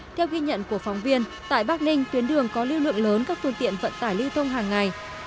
theo ghi nhận của phóng viên tại bắc ninh tuyến đường có lưu lượng lớn các phương tiện vận tải lưu thông hàng ngày